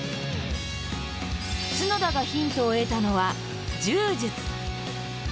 角田がヒントを得たのは柔術。